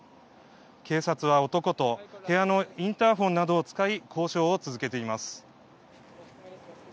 警察は男と部屋のインターホンなどを使い交渉を続けています。